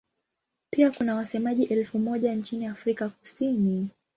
Pia kuna wasemaji elfu moja nchini Afrika Kusini.